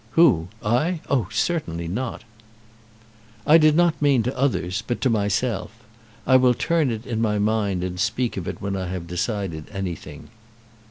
"Who? I? Oh, certainly not." "I did not mean to others, but to myself. I will turn it in my mind and speak of it when I have decided anything."